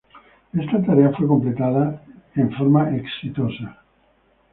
Esta tarea fue completada en forma exitosa.